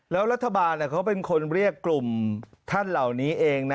แล้วรัฐบาลเขาเป็นคนเรียกกลุ่มท่านเหล่านี้เองนะ